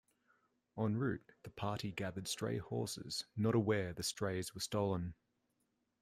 En route the party gathered stray horses, not aware the strays were stolen.